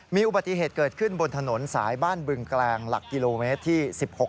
มีอุบัติเหตุเกิดขึ้นบนถนนสายบ้านบึงแกลงหลักกิโลเมตรที่๑๖